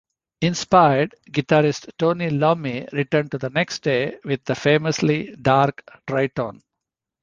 Inspired, guitarist Tony Iommi returned the next day with the famously dark tritone.